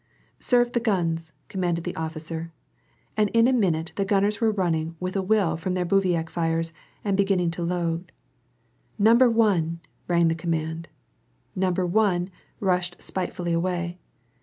" Serve the guns," commanded the officer, and in a minute the gunners were running with a will from their bivouac fires, and beginning to load. " Number one " rang the command. " Number one '* rushed spitefully away.